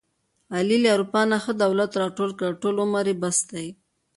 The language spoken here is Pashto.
علي له اروپا نه ښه دولت راټول کړ، ټول عمر یې بس دی.